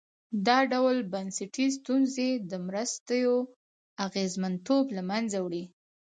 دا ډول بنسټي ستونزې د مرستو اغېزمنتوب له منځه وړي.